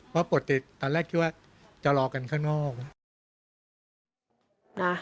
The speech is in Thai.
เพราะปกติตอนแรกคิดว่าจะรอกันข้างนอก